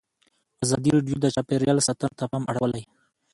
ازادي راډیو د چاپیریال ساتنه ته پام اړولی.